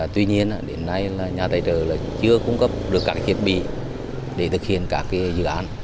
tuy nhiên đến nay là nhà tài trợ chưa cung cấp được các thiết bị để thực hiện các dự án